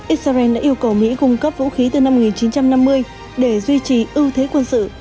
israel đã yêu cầu mỹ cung cấp vũ khí từ năm một nghìn chín trăm năm mươi để duy trì ưu thế quân sự